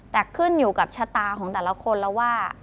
แต่ขึ้นอยู่กับชะตาของแต่ละคนแล้วว่า